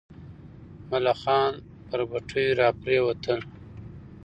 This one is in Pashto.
ملخان پر پټیو راپرېوتل.